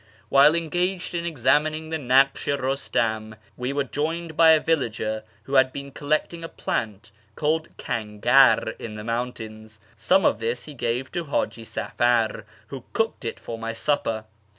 Wliile engaged in examining the Naksh i Eustam, we were joined by a villager wlio had been collecting a plant called hangar in the mountains. Some of this he gave to Haji Safar, who cooked it for my supper.